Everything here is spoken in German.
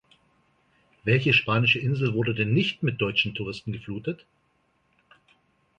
Welche spanische Insel wurde denn nicht mit deutschen Touristen geflutet?